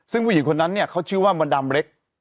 ซึ่งผู้หญิงคนนั้นเนี่ยเขาชื่อว่ามดดำเล็ก